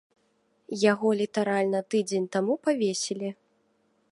Яго літаральна тыдзень таму павесілі.